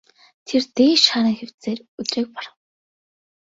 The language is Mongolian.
Тэр дээш харан хэвтсээр өдрийг барав.